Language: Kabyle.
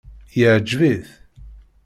Iɛǧeb-it?